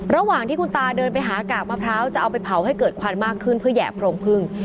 ระหว่างที่คุณตาเดินไปหากากมะพร้าวจะเอาไปเผาให้เกิดควันมากขึ้นเพื่อแห่โพรงพึ่ง